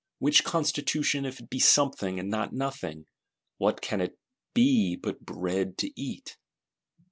Which Constitution, if it be something and not nothing, what can it be but bread to eat?